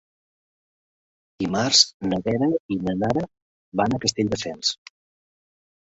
Dimarts na Vera i na Nara van a Castelldefels.